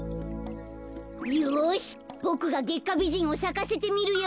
よしボクがゲッカビジンをさかせてみるよ。